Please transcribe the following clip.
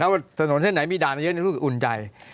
แล้วสนุนเส้นไหนมีด่านเยอะอุ่นใจ